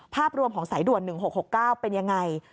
ภาพรวมของสายด่วน๑๖๖๙เป็นยังไง